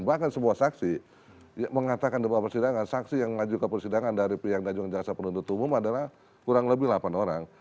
bahkan sebuah saksi mengatakan di persidangan saksi yang ngajukan persidangan dari pihak yang menjelaskan penuntut umum adalah kurang lebih delapan orang